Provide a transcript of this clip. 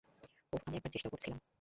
ওহ, আমি একবার চেষ্টাও করেছিলাম।